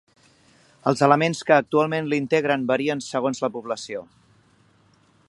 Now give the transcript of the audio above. Els elements que actualment l'integren varien segons la població.